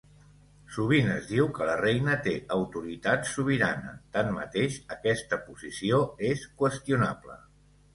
Sovint es diu que la Reina té autoritat sobirana, tanmateix aquesta posició és qüestionable.